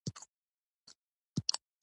څومره, څوړه، کڅوړه